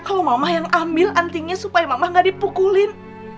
kalau mama yang ambil antingnya supaya mama gak dipukulin